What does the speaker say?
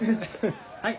はい。